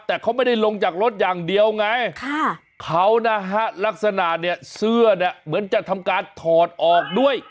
แต่เขาไม่ได้ลงจากรถอย่างเดียวไงเขานะฮะลักษณะเนี่ยเสื้อเนี่ยเหมือนจะทำการถอดออกด้วย